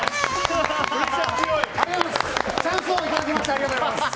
ありがとうございます。